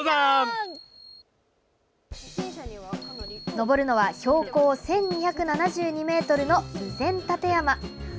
登るのは標高１２７２ｍの備前楯山。